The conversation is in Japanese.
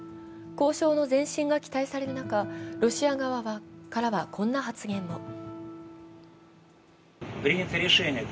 交渉の前進が期待される中ロシア側からはこんな発言も。